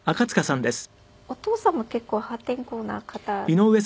お父様結構破天荒な方。